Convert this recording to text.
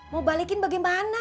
mau balikin bagaimana